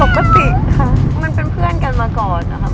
ปกติค่ะมันเป็นเพื่อนกันมาก่อนนะครับ